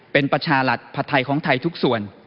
เป็นประชารัฐผัดไทยของไทยทุกส่วน